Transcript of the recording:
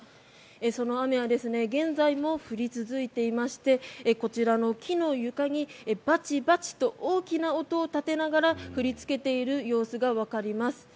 その雨は現在も降り続いていましてこちらの木の床にバチバチと大きな音を立てながら降りつけている様子がわかります。